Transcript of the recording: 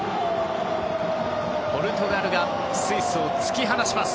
ポルトガルがスイスを突き放します。